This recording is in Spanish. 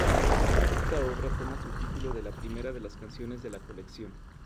Esta obra toma su título de la primera de las canciones de la colección.